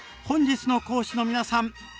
本日の講師の皆さん。